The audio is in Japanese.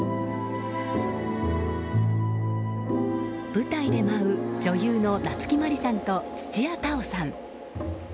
舞台で舞う、女優の夏木マリさんと土屋太鳳さん。